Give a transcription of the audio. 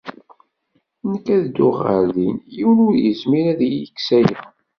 Nekk ad dduɣ ɣer din. Yiwen ur yezmir ad iyi-yekkes aya.